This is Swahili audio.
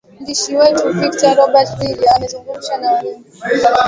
ndishi wetu victor robert willy amezungumuza na mbunge huyo mteule barwan